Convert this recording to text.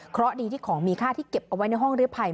เพราะดีที่ของมีค่าที่เก็บเอาไว้ในห้องริภัย